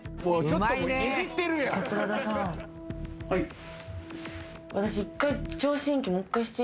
はい。